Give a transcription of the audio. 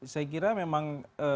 saya kira memang